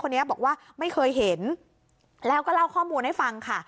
คนนี้บอกว่าไม่เคยเห็นแล้วก็เล่าข้อมูลให้ฟังค่ะ